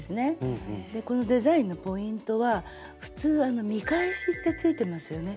でこのデザインのポイントは普通見返しってついてますよね。